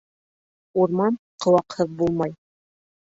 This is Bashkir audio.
Урман ҡыуаҡһыҙ булмай.